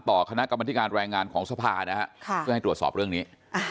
ต่อคณะกรรมนิการแรงงานของสภานะครับก็ให้ตรวจสอบเรื่องนี้